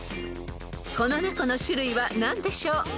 ［この猫の種類は何でしょう？］